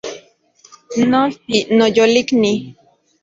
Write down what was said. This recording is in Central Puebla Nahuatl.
Nolti, noyolikni